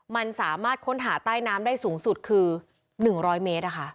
มันสามารถค้นหาใต้น้ำได้สูงสุดคือ๑๐๐เมตร